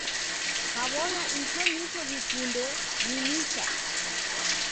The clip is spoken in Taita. Kaw'ona icho nicho w'ikunde ni nicha.